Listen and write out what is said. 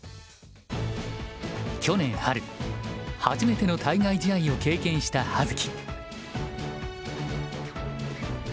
去年春初めての対外試合を経験した葉月。